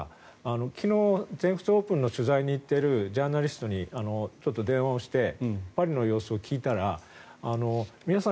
昨日全仏オープンの取材に行っているジャーナリストに電話をしてパリの様子を聞いたら皆さん